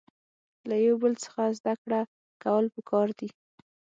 له یو بل څخه زده کړه کول پکار دي.